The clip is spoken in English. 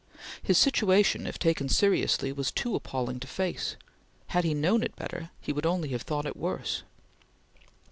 His situation, if taken seriously, was too appalling to face. Had he known it better, he would only have thought it worse.